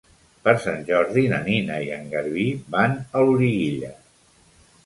Per Sant Jordi na Nina i en Garbí van a Loriguilla.